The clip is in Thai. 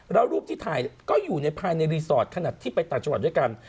แล้วรูปที่ถ่ายก็อยู่ในภายในรีสอร์ทขนาดที่ไปต่างจังหวัดด้วยกัน